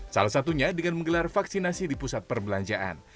salah satunya dengan menggelar vaksinasi di pusat perbelanjaan